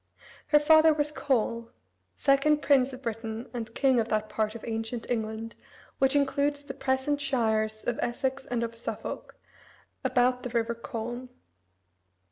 Her father was Coel, second prince of Britain and king of that part of ancient England, which includes the present shires of Essex and of Suffolk, about the river Colne.